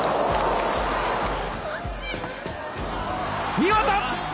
見事！